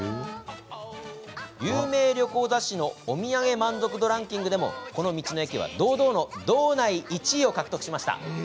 有名旅行雑誌のお土産満足度ランキングでもこの道の駅は堂々の道内１位を獲得しました。